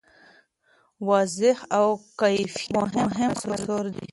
وضوح او کیفیت مهم عناصر دي.